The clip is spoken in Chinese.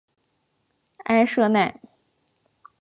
埃舍奈。